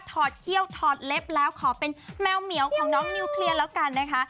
อดเขี้ยวถอดเล็บแล้วขอเป็นแมวเหมียวของน้องนิวเคลียร์แล้วกันนะคะ